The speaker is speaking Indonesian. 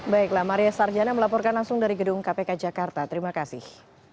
baiklah maria sarjana melaporkan langsung dari gedung kpk jakarta terima kasih